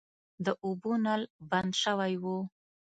د اوبو نل بند شوی و.